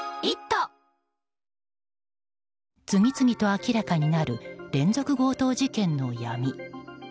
次々と明らかになる連続強盗事件の闇。